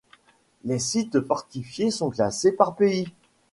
Les sites fortifiés sont classés par pays.